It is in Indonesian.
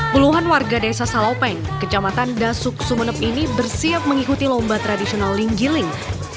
puluhan warga desa salopeng kecamatan dasuk sumeneb ini bersiap mengikuti lomba tradisional linggiling